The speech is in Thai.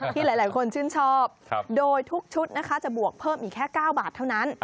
ที่หลายคนชื่นชอบโดยทุกชุดนะคะจะบวกเพิ่มอีกแค่๙บาทเท่านั้น